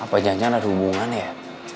apa jangan jangan ada hubungan ya